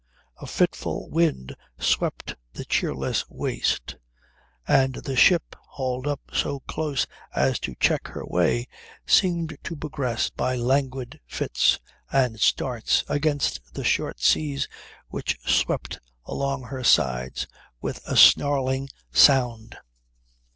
A fitful wind swept the cheerless waste, and the ship, hauled up so close as to check her way, seemed to progress by languid fits and starts against the short seas which swept along her sides with a snarling sound.